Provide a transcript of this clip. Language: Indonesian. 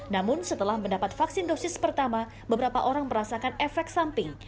namun setelah mendapat vaksin dosis pertama beberapa orang merasakan efek samping